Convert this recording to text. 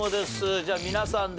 じゃあ皆さんで。